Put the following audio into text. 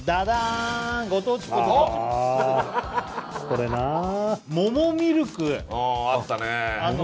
これな桃ミルクあったねあっ